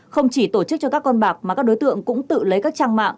không chỉ tổ chức cho các con bạc mà các đối tượng cũng tự lấy các trang mạng